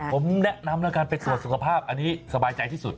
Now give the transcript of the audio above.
ผมแนะนำแล้วกันไปตรวจสุขภาพอันนี้สบายใจที่สุด